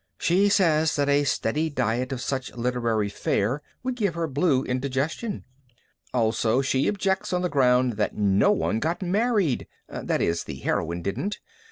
She says that a steady diet of such literary fare would give her blue indigestion. Also she objects on the ground that no one got married that is, the heroine didn't.